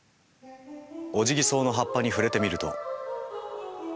オジギソウの葉っぱに触れてみると。